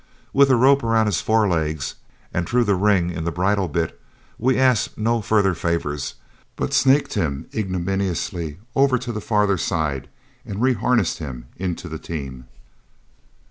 With a rope around his forelegs and through the ring in the bridle bit, we asked no further favors, but snaked him ignominiously over to the farther side and reharnessed him into the team.